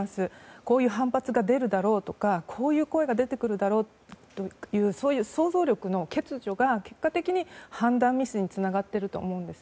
こういう反発が出るだろうとかこういう声が出てくるだろうという想像力の欠如が結果的に判断ミスにつながっていると思います。